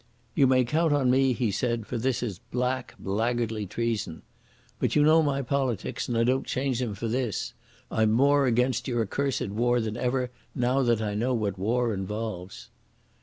"You may count on me," he said, "for this is black, blackguardly treason. But you know my politics, and I don't change them for this. I'm more against your accursed war than ever, now that I know what war involves."